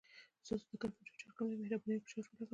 ستاسو د کمپوټر چارج کم دی، مهرباني وکړه چارج ولګوه